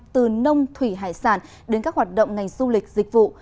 từ nông thủy hải sản đến các hoạt động ngành du lịch dịch vụ